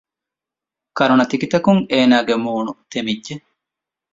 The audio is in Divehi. ކަރުނަތިކިތަކުން އޭނާގެ މޫނު ތެމިއްޖެ